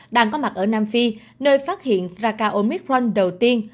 đang có mặt ở nam phi nơi phát hiện raka omicron đầu tiên